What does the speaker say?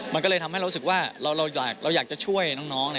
มันก็เลยทำให้เรารู้สึกว่าเราอยากจะช่วยน้อง